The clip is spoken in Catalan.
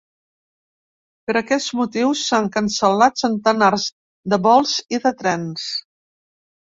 Per aquest motiu s’han cancel·lat centenars de vols i de trens.